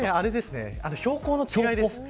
標高の違いです。